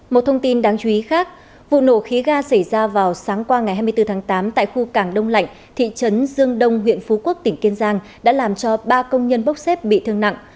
một thông tin đáng chú ý khác vụ nổ khí ga xảy ra vào sáng qua ngày hai mươi bốn tháng tám tại khu cảng đông lạnh thị trấn dương đông huyện phú quốc tỉnh kiên giang đã làm cho ba công nhân bốc xếp bị thương nặng